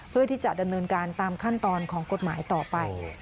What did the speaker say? เพื่อที่จะดำเนินการตามขั้นตอนของกฎหมายต่อไป